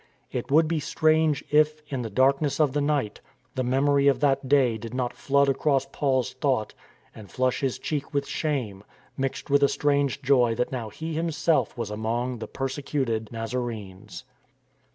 It would be strange if, in the dark ness of the night, the memory of that day did not flood across Paul's thought and flush his cheek with shame, rhixed with a strange joy that now he himself was among the persecuted Nazarenes.